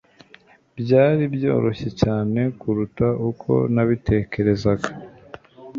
Byari byoroshye cyane kuruta uko nabitekerezaga.